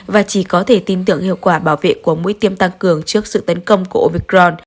và chỉ có thể tin tưởng hiệu quả bảo vệ của mũi tiêm tăng cường trước sự tấn công của ovicron